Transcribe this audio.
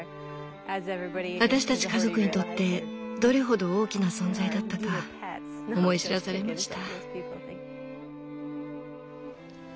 私たち家族にとってどれほど大きな存在だったか思い知らされました。